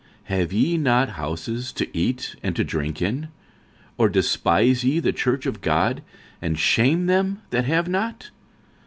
have ye not houses to eat and to drink in? or despise ye the church of God, and shame them that have not?